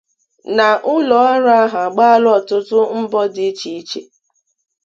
na ụlọ ọrụ ahụ agbaala ọtụtụ mbọ dị iche iche